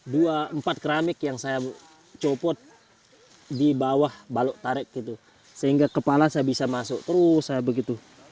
dua empat keramik yang saya copot di bawah baluk tarik gitu sehingga kepala saya bisa masuk terus saya begitu